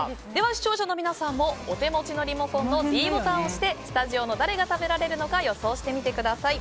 視聴者の皆さんもお手持ちのリモコンのｄボタンを押してスタジオの誰が食べられるのか予想してみてください。